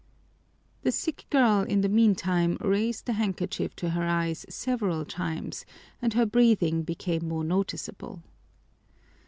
The sick girl, in the meantime, raised the handkerchief to her eyes several times and her breathing became more noticeable.